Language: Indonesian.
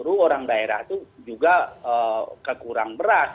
baru orang daerah itu juga kekurang beras